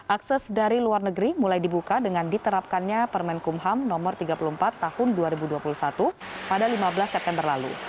akses dari luar negeri mulai dibuka dengan diterapkannya permen kumham no tiga puluh empat tahun dua ribu dua puluh satu pada lima belas september lalu